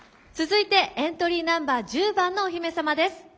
続いてエントリーナンバー１０番のお姫様です。